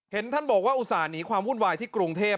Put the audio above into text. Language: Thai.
เห็นท่านบอกว่าอุตส่าห์หนีความวุ่นวายที่กรุงเทพ